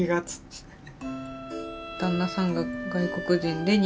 そうだね。